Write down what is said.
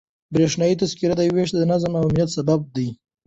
د بریښنایي تذکرو ویش د نظم او امنیت سبب دی.